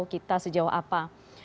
kita sejauh apa